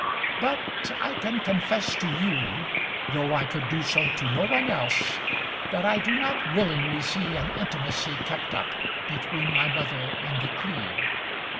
But I can confess to you, though I could do so to no one else, that I do not willingly see an intimacy kept up between my mother and The Cleeve.